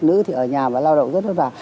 nữ thì ở nhà và lao động rất là vàng